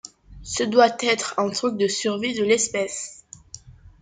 Ce doit être un truc de survie de l’espèce.